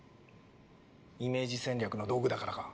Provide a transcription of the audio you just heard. イメージ戦略の道具だからか？